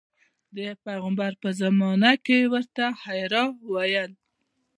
د پیغمبر په زمانه کې یې ورته حرا ویل.